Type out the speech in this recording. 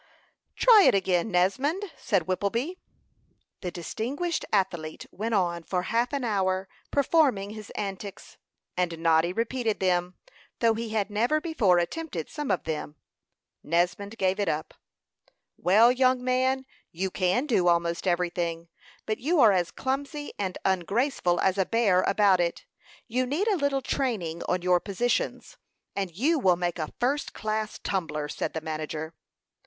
"Try it again, Nesmond," said Whippleby. The distinguished athlete went on for half an hour, performing his antics; and Noddy repeated them, though he had never before attempted some of them. Nesmond gave it up. "Well, young man, you can do almost everything, but you are as clumsy and ungraceful as a bear about it. You need a little training on your positions, and you will make a first class tumbler," said the manager.